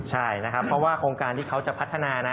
ใช่นะครับเพราะว่าโครงการที่เขาจะพัฒนานะ